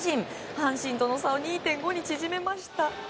阪神との差を２．５に縮めました。